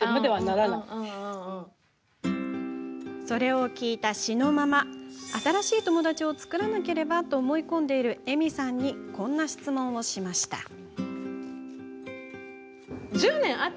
それを聞いた紫乃ママ新しい友達を作らなければと思い込んでいる、えみさんにこんな質問をしました。